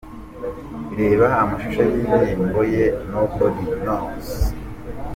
Reba amashusho y'indirimbo ye 'No body knows' .